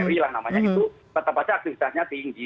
itu tetap saja aktivitasnya tinggi